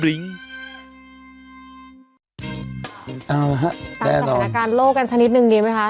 ตามสถานการณ์โลกกันสักนิดหนึ่งดีไหมคะ